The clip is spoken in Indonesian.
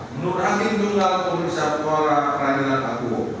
menurut hakim juga komisar tuala peradilan agung